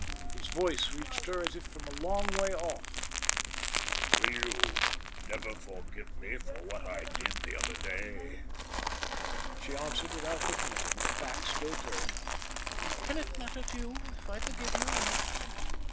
His voice reached her as if from a long way off. "Will you never forgive me for what I did the other day?" She answered without looking at him, her back still turned. "Can it matter to you if I forgive or not?"